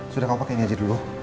sudah kamu pakai ini aja dulu